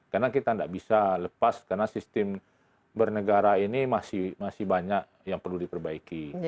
karena kita tidak bisa lepas karena sistem bernegara ini masih banyak yang perlu diperbaiki